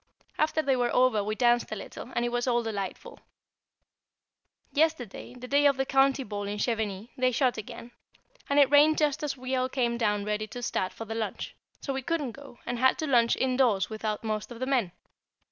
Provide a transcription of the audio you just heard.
After they were over we danced a little, and it was all delightful. [Sidenote: A Game of Patience] Yesterday, the day of the county ball in Chevenix, they shot again; and it rained just as we all came down ready to start for the lunch; so we couldn't go, and had to lunch indoors without most of the men.